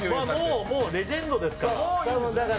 もうレジェンドですから。